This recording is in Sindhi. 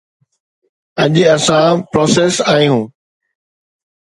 اڄ اسان پراسيس آهيون.